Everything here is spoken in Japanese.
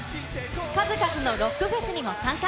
数々のロックフェスにも参加。